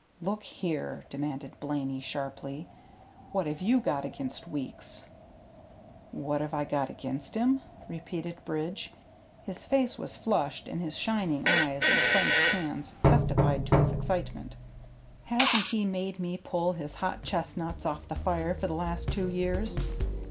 "Look here," demanded Blaney, sharply. "What have you got against Weeks?" "What have I got against him?" repeated Bridge. His face was flushed and his shining eyes and clenched hands testified to his excitement. "Hasn't he made me pull his hot chestnuts off the fire for the last two years?